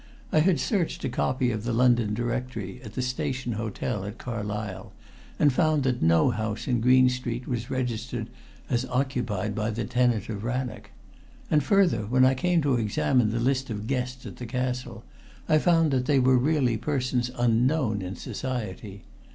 I had searched a copy of the London Directory at the Station Hotel at Carlisle, and found that no house in Green Street was registered as occupied by the tenant of Rannoch; and, further, when I came to examine the list of guests at the castle, I found that they were really persons unknown in society.